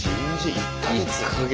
１か月。